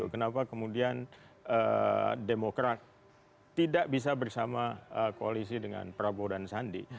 kenapa kemudian demokrat tidak bisa bersama koalisi dengan prabowo dan sandi